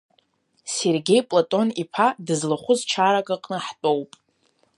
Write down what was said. Сергеи Платон-иԥа дызлахәыз чарак аҟны ҳтәоуп.